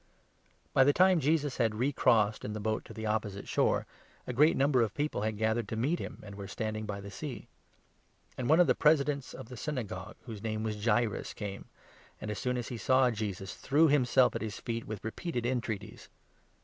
By the time Jesus had re crossed in the boat to 21 ofRthe'ne the opposite shore, a great number of people had Daughter of gathered to meet him, and were standing by the jaeirus. gea ^nd one of tne Presidents of the 22 Synagogue, whose name was Jaeirus, came and, as soon as he saw Jesus, threw himself at his feet with repeated entreaties.